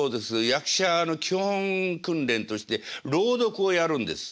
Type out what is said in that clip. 役者の基本訓練として朗読をやるんです。